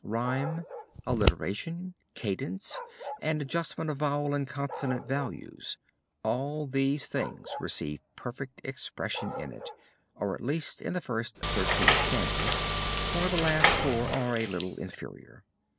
Rhyme, alliteration, cadence, and adjustment of vowel and consonant values all these things receive perfect expression in it, or, at least, in the first thirteen stanzas, for the last four are a little inferior.